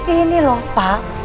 ini lho pak